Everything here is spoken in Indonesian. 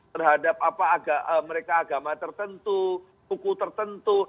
terhadap mereka agama tertentu hukum tertentu